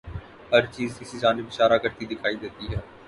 ہر چیز اسی جانب اشارہ کرتی دکھائی دیتی ہے۔